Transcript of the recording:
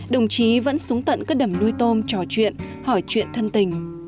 đồng chí vẫn xuống tận các đầm nuôi tôm trò chuyện hỏi chuyện thân tình